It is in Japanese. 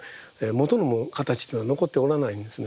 元の形では残っておらないんですね。